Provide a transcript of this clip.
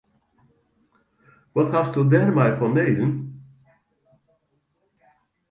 Wat hasto dêrmei fanneden?